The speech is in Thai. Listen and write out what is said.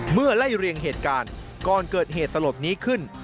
ไล่เรียงเหตุการณ์ก่อนเกิดเหตุสลดนี้ขึ้น